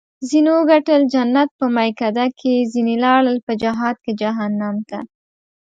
ځینو وګټل جنت په میکده کې ځیني لاړل په جهاد کې جهنم ته